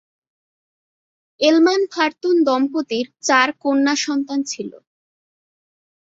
এলমান-ফারতুন দম্পতির চার কন্যাসন্তান ছিল।